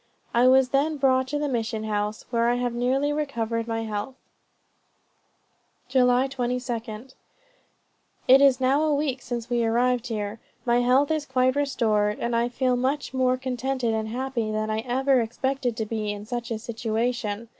I was then brought to the mission house, where I have nearly recovered my health." "July 22. It is now a week since we arrived here. My health is quite restored, and I feel much more contented and happy than I ever expected to be in such a situation.